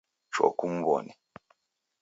Choo kumw'one